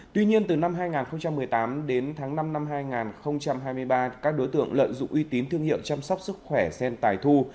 tuy nhiên từ năm hai nghìn một mươi tám đến tháng năm năm hai nghìn hai mươi ba các đối tượng lợi dụng uy tín thương hiệu chăm sóc sức khỏe sen tài thu